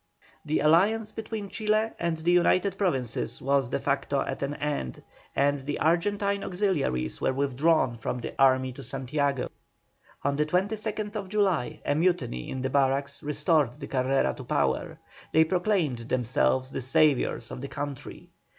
The alliance between Chile and the United Provinces was de facto at an end, and the Argentine auxiliaries were withdrawn from the army to Santiago. On the 22nd July a mutiny in the barracks restored the Carreras to power. They proclaimed themselves the saviours of the country.